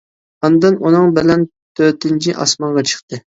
ئاندىن ئۇنىڭ بىلەن تۆتىنچى ئاسمانغا چىقتى.